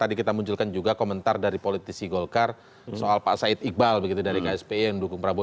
jadi kita munculkan juga komentar dari politisi golkar soal pak said iqbal begitu dari ksp yang mendukung prabowo